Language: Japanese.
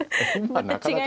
なかなか。